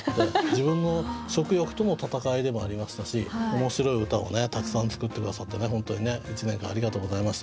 自分の食欲との闘いでもありましたし面白い歌をたくさん作って下さって本当にね１年間ありがとうございました。